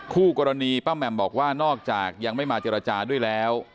คู่กรณีป้าแหม่มบอกว่านอกจากยังไม่มาเจรจาด้วยแล้ว